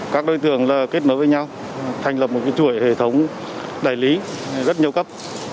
các đối tượng kết nối với nhau thành lập một chuỗi hệ thống đại lý rất nhiều cấp